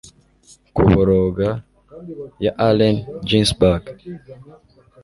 kuboroga ya allen ginsberg